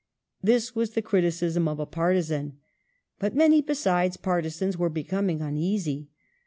This was the criticism of a partisan. But many besides partisans were becoming uneasy.